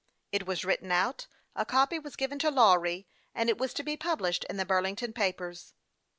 It was written out, a copy was given to Lawry, and it was to be published in the Burlington papers.